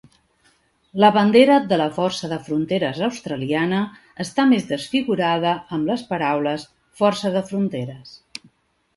La bandera de la força de fronteres australiana està més desfigurada amb les paraules "força de fronteres".